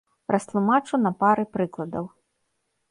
Растлумачу на пары прыкладаў.